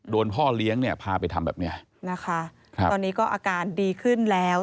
ตอนนี้ก็อาการดีขึ้นแล้ว